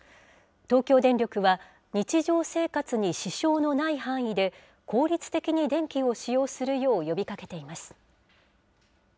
東京電力は、日常生活に支障のない範囲で、効率的に電気を使用するよう呼びかけています。